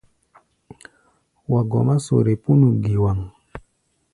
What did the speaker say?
Wa gɔmá sore pínu giwaŋ.